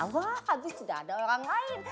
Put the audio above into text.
wah habis tidak ada orang lain